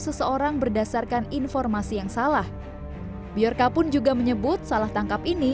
seseorang berdasarkan informasi yang salah biarka pun juga menyebut salah tangkap ini